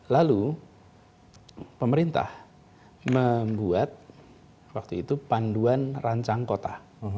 lalu pemerintah membuat waktu itu panduan rancang kota